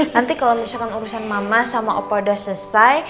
nanti kalau misalkan urusan mama sama opo udah selesai